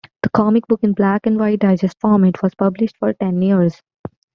The comic book, in black and white digest format, was published for ten years.